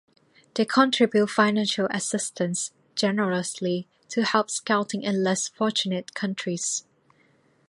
They contribute financial assistance generously to help Scouting in less fortunate countries.